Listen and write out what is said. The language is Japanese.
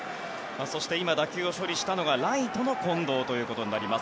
そして今、打球を処理したのがライトの近藤となります。